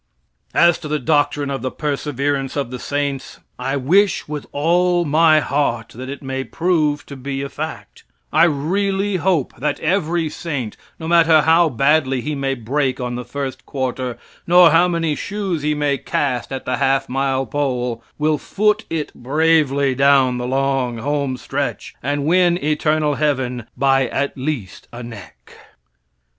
As to the doctrine of the perseverance of the saints, I wish with all my heart that it may prove to be a fact, I really hope that every saint, no matter how badly he may break on the first quarter, nor how many shoes he may cast at the half mile pole, will foot it bravely down the long home stretch, and win eternal heaven by at least a neck.